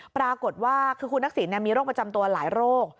ปรากฏว่าคือคุณทักษิณมีโรคประจำตัวหลายโรค